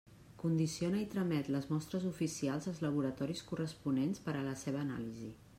Condiciona i tramet les mostres oficials als laboratoris corresponents per a la seva anàlisi.